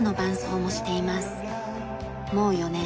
もう４年。